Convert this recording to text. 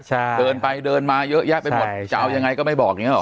ใช่เดินไปเดินมาเยอะแยะไปหมดจะเอายังไงก็ไม่บอกอย่างนี้หรอ